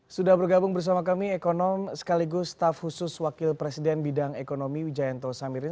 sudah bergabung bersama kami ekonom sekaligus staf khusus wakil presiden bidang ekonomi wijayanto samirin